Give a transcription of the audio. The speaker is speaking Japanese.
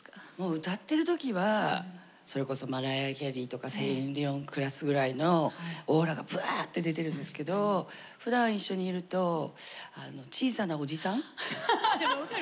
歌ってる時はそれこそマライア・キャリーとかセリーヌ・ディオンクラスぐらいのオーラがぶわって出てるんですけどおじさん。